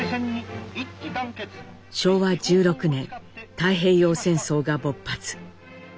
昭和１６年太平洋戦争が勃発。